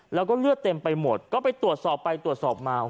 แล้วก็เลือดเต็มไปหมดก็ไปตรวจสอบไปตรวจสอบมา